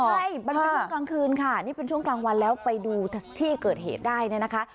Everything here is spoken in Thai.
ใช่บันทึกกลางคืนค่ะนี่เป็นช่วงกลางวันแล้วไปดูที่เกิดเหตุได้เนี่ยนะคะ